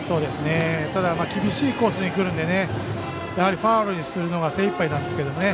ただ厳しいコースに来るのでファウルにするのが精いっぱいなんですけど。